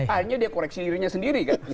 akhirnya dia koreksi dirinya sendiri kan